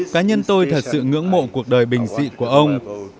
cá nhân tôi thật sự ngưỡng mộ cuộc đời bình dị của ông